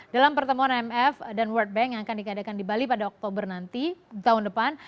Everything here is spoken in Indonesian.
dalam pertemuan imf dan world bank yang akan dikadakan di bali pada oktober nanti tahun depan